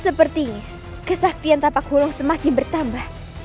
seperti ini kesaktian tapak hulung semakin bertambah